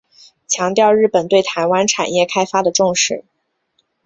强调日本对台湾产业开发的重视。